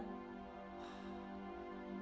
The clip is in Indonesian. terhadap mantan suami kalian